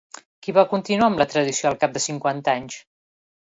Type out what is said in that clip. Qui va continuar amb la tradició al cap de cinquanta anys?